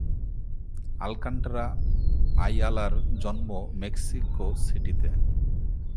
আলকান্টারা-আইয়ালার জন্ম মেক্সিকো সিটিতে।